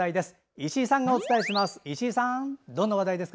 石井さんがお伝えします。